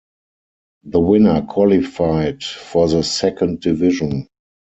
The winner qualified for the second division.